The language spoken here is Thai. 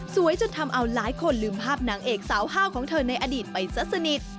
จนทำเอาหลายคนลืมภาพนางเอกสาวห้าวของเธอในอดีตไปซะสนิท